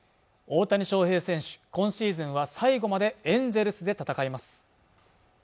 大谷翔平選手、今シーズンは最後までエンゼルスで戦います